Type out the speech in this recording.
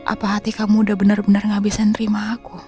apa hati kamu udah bener bener gak bisa terima aku